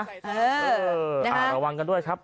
เออระวังกันด้วยครับ